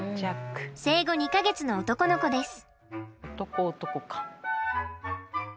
生後２か月の男の子です。